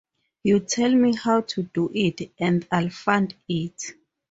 You tell me how to do it, and I'll fund it.